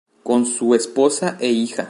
Con su esposa e hija.